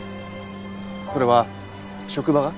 それは職場が？